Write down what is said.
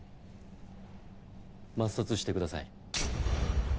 抹殺してください。